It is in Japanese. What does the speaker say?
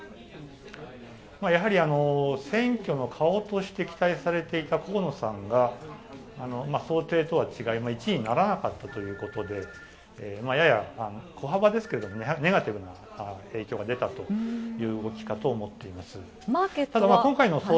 やはり、選挙の顔として期待されていた河野さんが想定とは違い、１位にならなかったということでやや小幅ですけど、ネガティブな影響が出たという動きだと思っています。